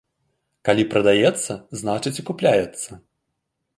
Калі прадаецца, значыць і купляецца.